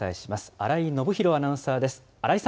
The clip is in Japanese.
新井信宏アナウンサーです。